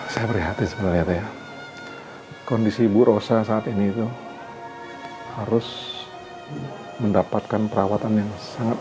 saya prihatin sebenarnya ya kondisi ibu rosa saat ini itu harus mendapatkan perawatan yang sangat